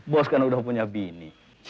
bos karena udah punya bini